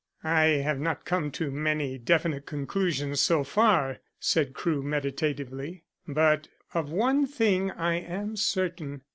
"I have not come to many definite conclusions so far," said Crewe meditatively. "But of one thing I am certain.